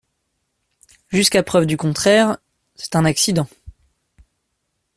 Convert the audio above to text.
Jusqu’à preuve du contraire, c’est un accident.